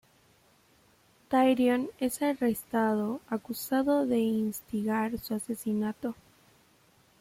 Tyrion es arrestado acusado de instigar su asesinato.